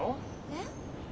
えっ？